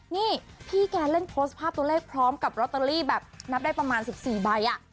นี่พี่แกเล่นโพสต์ภาพตัวเลขพร้อมกับลอตเตอรี่แบบนับได้ประมาณ๑๔ใบ